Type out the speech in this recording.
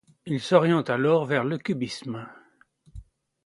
Il s'oriente alors vers le cubisme.